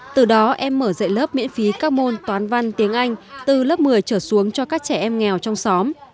từ đó em mở dạy lớp miễn phí các môn toán văn tiếng anh từ lớp một mươi trở xuống cho các trẻ em nghèo trong xóm